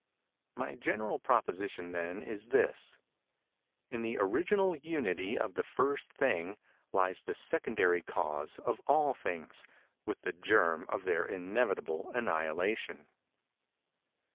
My general proposition, then, is this:—_In the Original Unity of the First Thing lies the Secondary Cause of All Things, with the Germ of their Inevitable Annihilation_.